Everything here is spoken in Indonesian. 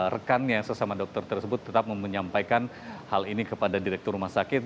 rekannya sesama dokter tersebut tetap menyampaikan hal ini kepada direktur rumah sakit